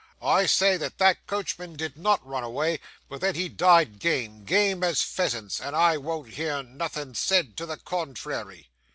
I say that that coachman did not run away; but that he died game game as pheasants; and I won't hear nothin' said to the contrairey.